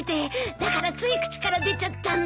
だからつい口から出ちゃったんだ。